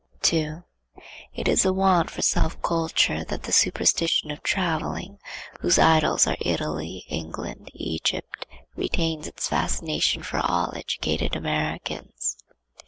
2. It is for want of self culture that the superstition of Travelling, whose idols are Italy, England, Egypt, retains its fascination for all educated Americans.